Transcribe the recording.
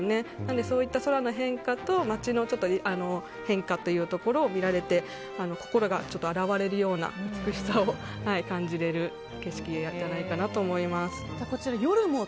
そういった空の変化と街の変化というところを見られて心が洗われるような美しさを感じられる景色じゃないかなと思います。